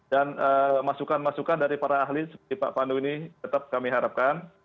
dan masukan masukan dari para ahli seperti pak pandu ini tetap kami harapkan